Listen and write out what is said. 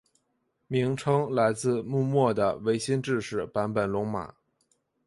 名称来自幕末的维新志士坂本龙马。